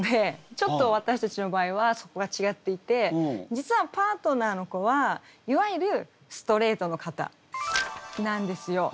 ちょっと私たちの場合はそこが違っていて実はパートナーの子はいわゆるストレートの方なんですよ。